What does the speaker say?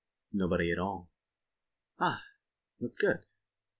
"Nobody at all." "Ah! That's good."